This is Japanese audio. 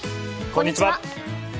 こんにちは。